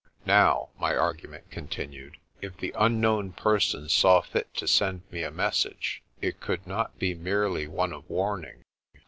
Now, my argument continued, if the unknown person saw fit to send me a message, it could not be merely one of warning.